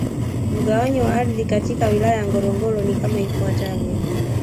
Mgawanyo wa ardhi katika Wilaya ya Ngorongoro ni kama ifuatavyo